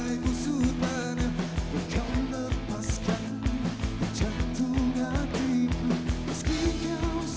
yang ternyata mengerti aku